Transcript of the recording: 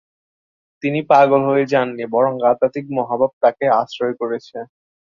তিনি পাগল হয়ে যাননি; বরং আধ্যাত্মিক ‘মহাভাব’ তাকে আশ্রয় করেছে।